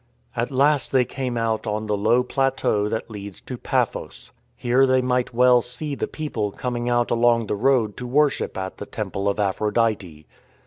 At last they came out on the low plateau that leads to Paphos. Here they might well see the people coming out along the road to worship at the temple of Aphrodite.